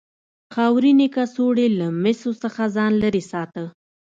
خاورینې کڅوړې له مسو څخه ځان لرې ساته.